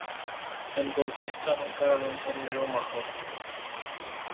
El golfista nunca ganó un torneo major.